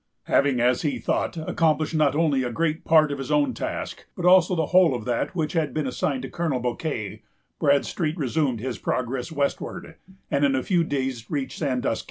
Having, as he thought, accomplished not only a great part of his own task, but also the whole of that which had been assigned to Colonel Bouquet, Bradstreet resumed his progress westward, and in a few days reached Sandusky.